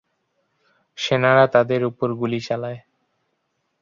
সেনারা তাদের উপর গুলি চালায়।